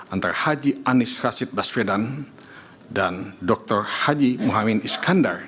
antara haji anies rashid baswedan dan dr haji muhammad iskandar